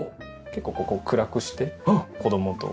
結構ここ暗くして子供と。